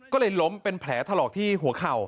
ก็เลยล้มเป็นแผลถลอกที่หัวเข่า